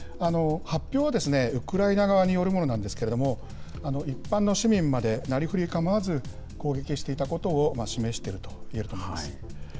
発表は、ウクライナ側によるものなんですけれども、一般の市民までなりふり構わず攻撃していたことを示しているといえると思います。